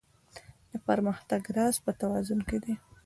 د پرمختګ راز په توازن کې دی.